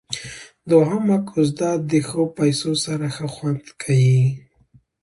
دوهمه کوزده د ښو پيسو سره ښه خوند کيي.